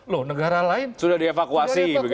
loh negara lain sudah dievakuasi